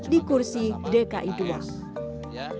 di kursi dki ii